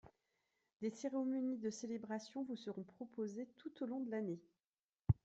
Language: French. Des cérémonies de célébration vous seront proposées tout au long de l’année.